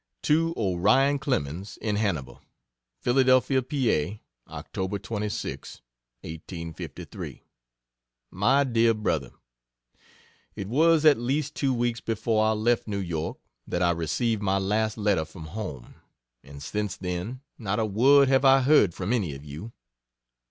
To Orion Clemens, in Hannibal: PHILADELPHIA, PA. Oct. 26,1853. MY DEAR BROTHER, It was at least two weeks before I left New York, that I received my last letter from home: and since then, not a word have I heard from any of you.